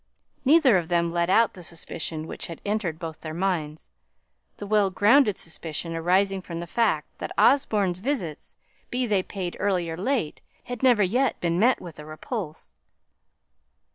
Neither of them let out the suspicion which had entered both their minds the well grounded suspicion arising from the fact that Osborne's visits, be they paid early or late, had never yet been met with a repulse.